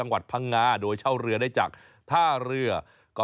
สวัสดีครับ